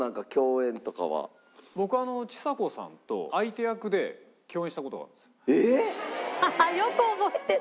僕ちさ子さんと相手役で共演した事があるんです。